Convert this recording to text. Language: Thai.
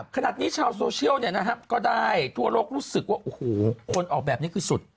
ขนาดนี้ชาวโซเชียลก็ได้ทั่วโลกรู้สึกว่าโอ้โหคนออกแบบนี้คือสุด